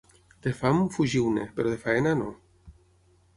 De fam, fugiu-ne, però de feina, no.